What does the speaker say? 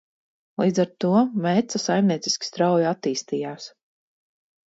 Līdz ar to Meca saimnieciski strauji attīstījās.